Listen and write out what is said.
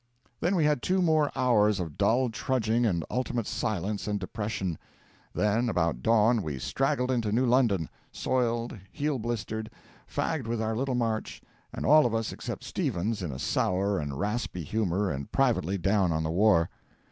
Then we had two more hours of dull trudging and ultimate silence and depression; then, about dawn, we straggled into New London, soiled, heel blistered, fagged with our little march, and all of us except Stevens in a sour and raspy humour and privately down on the war.